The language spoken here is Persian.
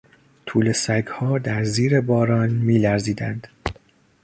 توله سگها در زیر باران میلرزیدند.